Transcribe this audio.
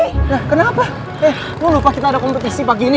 eh kenapa eh lu lupa kita ada kompetisi pagi ini